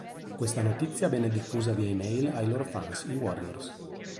Questa notizia venne diffusa via email ai loro fans, i Warriors.